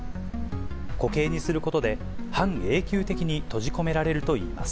固形にすることで、半永久的に閉じ込められるといいます。